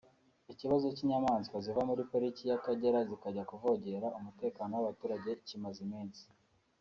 Ikibazo cy’ imyamaswa ziva muri pariki y’Akagera zikajya kuvogera umutekano w’abaturage kimaze iminsi